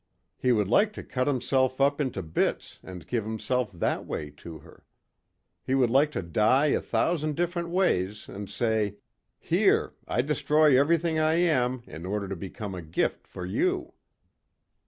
He would like to cut himself up into bits and give himself that way to her. He would like to die a thousand different ways and say, "Here, I destroy everything I am in order to become a gift for you."